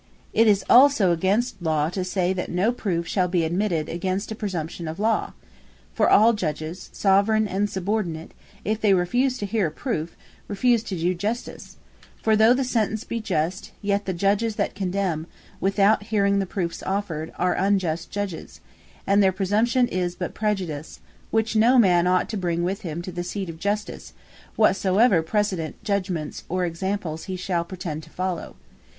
It is also against Law, to say that no Proofe shall be admitted against a Presumption of Law. For all Judges, Soveraign and subordinate, if they refuse to heare Proofe, refuse to do Justice: for though the Sentence be Just, yet the Judges that condemn without hearing the Proofes offered, are Unjust Judges; and their Presumption is but Prejudice; which no man ought to bring with him to the Seat of Justice, whatsoever precedent judgements, or examples he shall pretend to follow.